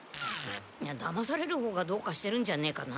だまされるほうがどうかしてるんじゃねえかな？